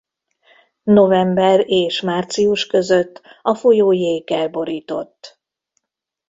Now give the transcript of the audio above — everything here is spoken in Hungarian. November és március között a folyó jéggel borított.